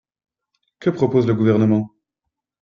Que propose le Gouvernement?